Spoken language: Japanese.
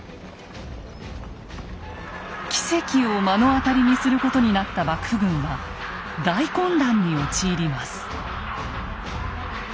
奇跡を目の当たりにすることになった幕府軍は大混乱に陥ります。